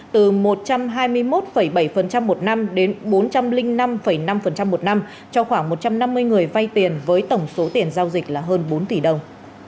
từ một trăm hai mươi một bảy một năm đến bốn trăm linh năm năm một năm cho khoảng một trăm năm mươi người vay tiền với tổng số tiền giao dịch là hơn bốn tỷ đồng